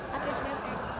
harapan pengen jadi atlet bmx